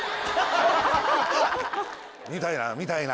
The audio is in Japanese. みたいなみたいな。